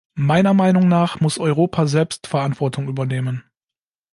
Meiner Meinung nach muss Europa selbst Verantwortung übernehmen.